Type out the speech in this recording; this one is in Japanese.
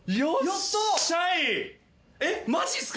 えっマジっすか？